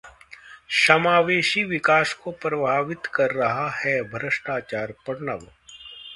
समावेशी विकास को प्रभावित कर रहा है भ्रष्टाचारः प्रणव